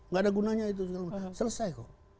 gak ada gunanya itu selesai kok